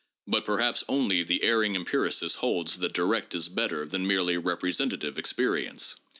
But perhaps only the erring empiricist holds that direct No. 4.] DISCUSSION. 42 1 is better than merely representative experience.